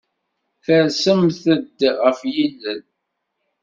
Tersemt-d ɣef yilel.